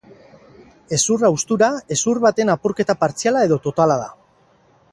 Hezur haustura hezur baten apurketa partziala edo totala da.